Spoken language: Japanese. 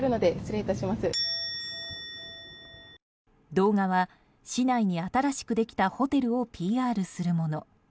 動画は、市内に新しくできたホテルをＰＲするもの。